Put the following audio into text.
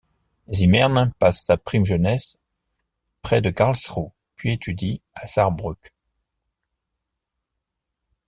Zimmern passe sa prime jeunesse près de Carlsruhe, puis étudie à Sarrebruck.